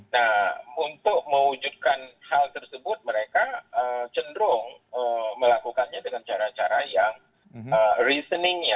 nah untuk mewujudkan hal tersebut mereka cenderung melakukannya dengan cara cara yang reasoning ya